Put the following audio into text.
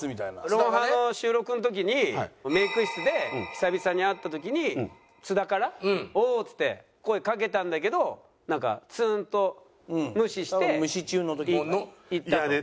『ロンハー』の収録の時にメイク室で久々に会った時に津田から「おお」っつって声かけたんだけどなんかツーンと無視して行ったと。